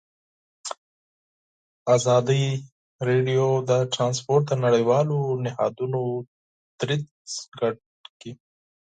ازادي راډیو د ترانسپورټ د نړیوالو نهادونو دریځ شریک کړی.